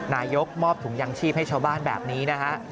นายกมอบถุงยางชีพให้ชาวบ้านแบบนี้นะฮะ